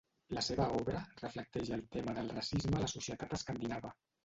La seva obra reflecteix el tema del racisme a la societat escandinava.